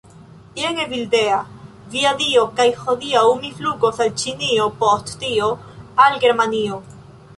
Jen Evildea. Via Dio. kaj hodiaŭ mi flugos al ĉinio post tio, al Germanio